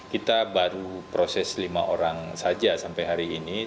kita baru proses lima orang saja sampai hari ini